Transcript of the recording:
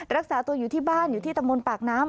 รักษาตัวอยู่ที่บ้านอยู่ที่ตำบลปากน้ำ